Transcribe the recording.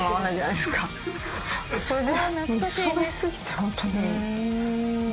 それで。